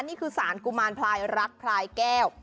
นี่คือสารกุมารพลายรักพลายแก้ว